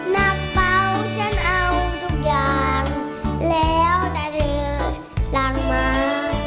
นักเป่าฉันเอาทุกอย่างแล้วแต่เธอหลังมา